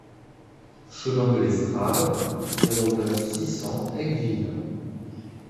Chemin de Lestrade, zéro neuf, six cents Aigues-Vives